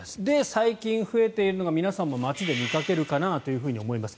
最近、増えているのが皆さんも街で見かけるかなと思います